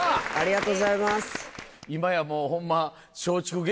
今やもうホンマ。